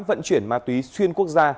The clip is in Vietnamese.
vận chuyển ma túy xuyên quốc gia